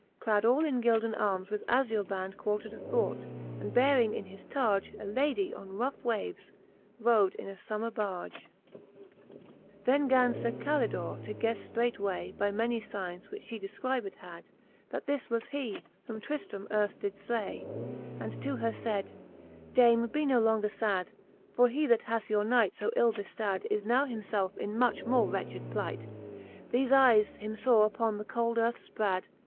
Clad all in gilden armes, with azure band ■Quartred athwart, and bearing in his targe A Ladie on rough waves, row'd in a fbmmer barge. XLV.Then Cant. II the Faerie Queene. Z37 XLV Then gan Sir CaVtdors to ghefle ftreight way By many fignes, which fhe defcribed had, That this was he, whom Tr'tfiram earft did flay. And to her laid, Dame, be no longer fad; For he, that hath your knight fb ill beftad, Is now him felfe in much more wretched plight: Thefe eyes him faw upon the cold earth fprad.